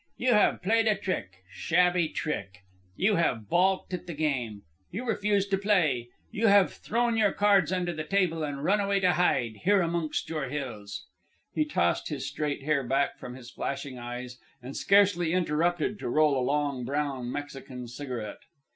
You have played a trick, shabby trick. You have balked at the game. You refuse to play. You have thrown your cards under the table and run away to hide, here amongst your hills." He tossed his straight hair back from his flashing eyes, and scarcely interrupted to roll a long, brown, Mexican cigarette.